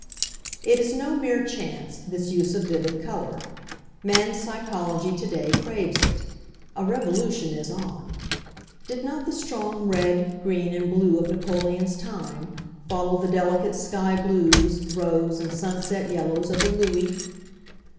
It is no mere chance, this use of vivid colour. Man's psychology to day craves it. A revolution is on. Did not the strong red, green, and blue of Napoleon's time follow the delicate sky blues, rose and sunset yellows of the Louis?